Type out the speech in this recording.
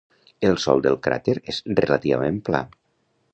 El sòl del cràter és relativament pla.